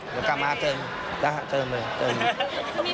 เหมือนกลับมาเจ่ะเจริฟสือเปล่า